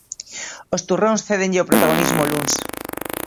Os turróns cédenlle o protagonismo o luns.